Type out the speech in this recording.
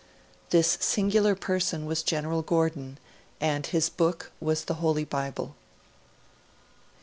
This singular person was General Gordon, and his book was the Holy Bible.